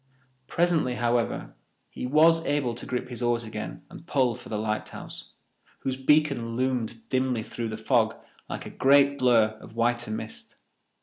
Presently, however, he was able to grip his oars again and pull for the lighthouse, whose beacon loomed dimly through the fog like a great blur of whiter mist.